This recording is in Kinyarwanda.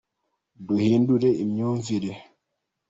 Duhindure imyumvire.